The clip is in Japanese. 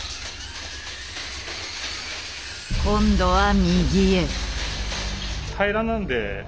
今度は右へ。